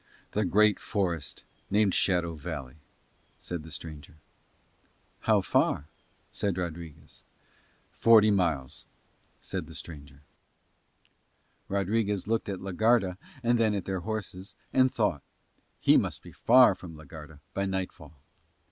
"The great forest named Shadow Valley," said the stranger. "How far?" said Rodriguez. "Forty miles," said the stranger. Rodriguez looked at la Garda and then at their horses, and thought. He must be far from la Garda by nightfall.